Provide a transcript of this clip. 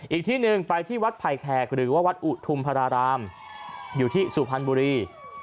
อีกที่หนึ่งไปที่วัดไผ่แขกหรือว่าวัดอุทุมพรารามอยู่ที่สุพรรณบุรี